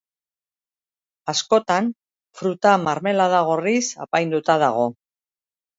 Askotan, fruta-marmelada gorriz apainduta dago.